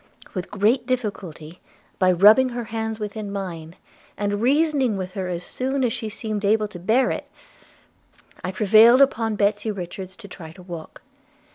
With great difficulty, by rubbing her hands within mine, and reasoning with her as soon as she seemed able to hear it, I prevailed upon Betsy Richards to try to walk.